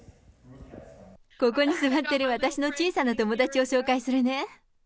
ここに座ってる私の小さな友達を紹介するね。